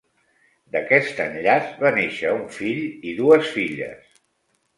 D'aquest enllaç va néixer un fill i dues filles.